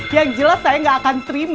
yang jelas saya gak akan terima